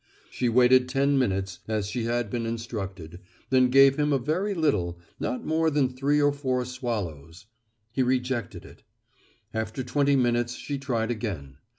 She waited ten minutes as she had been instructed, then gave him a very little not more than three or four swallows. He rejected it. After twenty minutes she tried again.